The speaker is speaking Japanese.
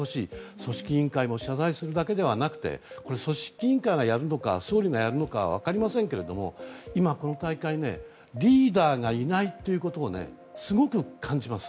組織委員会も謝罪するだけではなくて組織委員会がやるのか総理がやるのか分かりませんけれども今、この大会リーダーがいないということをすごく感じます。